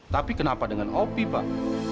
tapi kenapa dengan opi pak